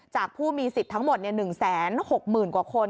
จากผู้มีสิทธิ์ทั้งหมดเนี่ย๑๖๐๐๐๐กว่าคน